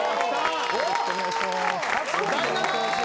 よろしくお願いします。